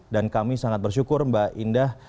dan kami sangat bersyukur mbak indah